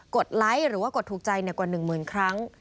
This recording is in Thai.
ดไลค์หรือว่ากดถูกใจกว่า๑หมื่นครั้ง